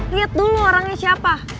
liat dulu orangnya siapa